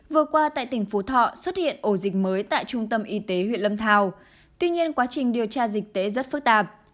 vừa qua tại tỉnh phú thọ xuất hiện ổ dịch mới tại trung tâm y tế huyện lâm thao tuy nhiên quá trình điều tra dịch tễ rất phức tạp